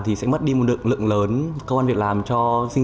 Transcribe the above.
thì sẽ mất đi một lượng lớn công an việc làm cho sinh